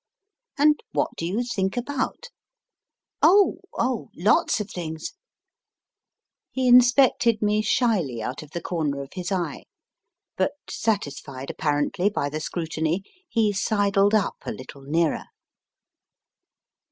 And what do you think about ? 4 Oh oh, lots of things. He inspected me shyly out of the corner of his eye, but, satisfied apparently by the scrutiny, he sidled up a little nearer.